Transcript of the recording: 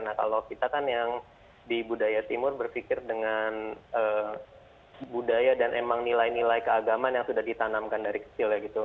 nah kalau kita kan yang di budaya timur berpikir dengan budaya dan emang nilai nilai keagaman yang sudah ditanamkan dari kecil ya gitu